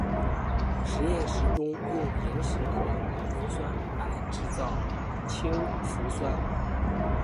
实验室中用萤石和浓硫酸来制造氢氟酸。